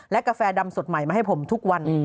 กาแฟดำสดใหม่มาให้ผมทุกวัน